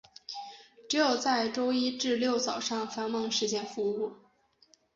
只在周一至六早上繁忙时间服务。